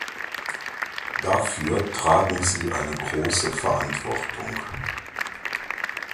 Dafür tragen Sie eine große Verantwortung.